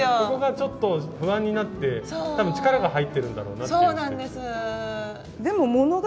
ここがちょっと不安になって多分力が入ってるんだろうなっていう。